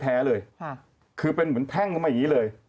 แท้เลยค่ะคือเป็นเหมือนแท่งลงมาอย่างนี้เลย